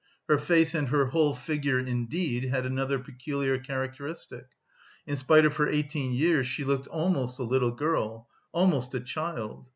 Her face, and her whole figure indeed, had another peculiar characteristic. In spite of her eighteen years, she looked almost a little girl almost a child.